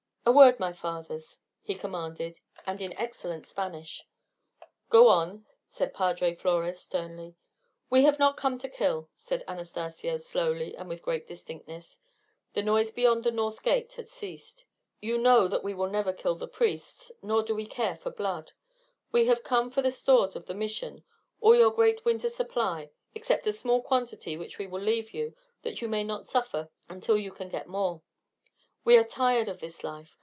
"A word, my fathers," he commanded, and in excellent Spanish. "Go on," said Padre Flores, sternly. "We have not come to kill," said Anastacio, slowly and with great distinctness: the noise beyond the north gate had ceased. "You know that we never kill the priests, nor do we care for blood. We have come for the stores of the Mission all your great winter supply, except a small quantity which we will leave you that you may not suffer until you can get more. We are tired of this life.